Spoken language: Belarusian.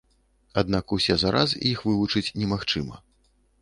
Аднак усе за раз іх вывучыць немагчыма.